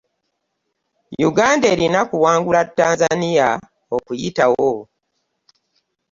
Uganda erina kuwangula Tanzania okuyitawo